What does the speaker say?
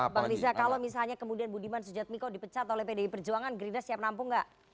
bang riza kalau misalnya kemudian budiman sujadmiko dipecat oleh pdi perjuangan gerindra siap nampung nggak